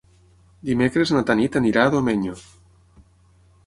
Dimecres na Tanit anirà a Domenyo.